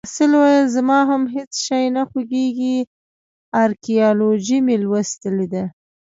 محصل وویل: زما هم هیڅ شی نه خوښیږي. ارکیالوجي مې لوستلې